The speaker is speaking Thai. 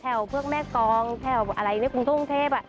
แถวเผื้อกแม่กองแถวอะไรอย่างนี้ภูมิท่วงเทพฯ